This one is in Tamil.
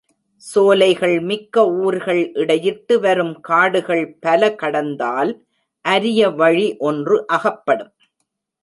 சோலைகள் மிக்க ஊர்கள் இடையிட்டு வரும் காடுகள் பல கடந்தால் அரிய வழி ஒன்று அகப்படும்.